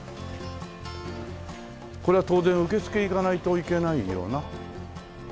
これは当然受付行かないといけないよな。